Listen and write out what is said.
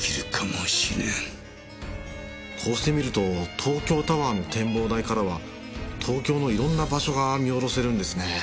こうして見ると東京タワーの展望台からは東京のいろんな場所が見下ろせるんですね。